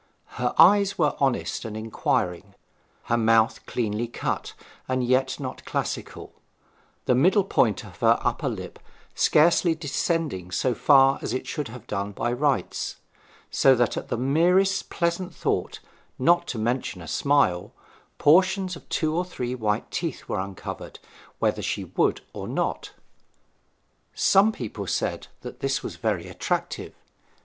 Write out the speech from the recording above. Her eyes were honest and inquiring, her mouth cleanly cut and yet not classical, the middle point of her upper lip scarcely descending so far as it should have done by rights, so that at the merest pleasant thought, not to mention a smile, portions of two or three white teeth were uncovered whether she would or not. Some people said that this was very attractive.